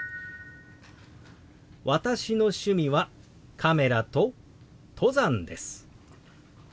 「私の趣味はカメラと登山です」。